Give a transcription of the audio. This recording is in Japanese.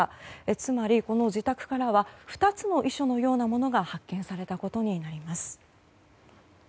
つまり、自宅からは２つの遺書のようなものが発見されたことになります。